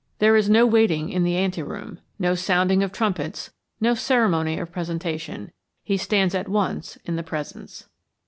There is no waiting in the anteroom, no sounding of trumpets, no ceremony of presentation. He stands at once in the presence.